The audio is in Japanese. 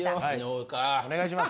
お願いします。